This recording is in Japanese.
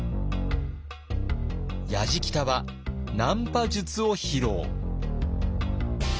やじきたはナンパ術を披露。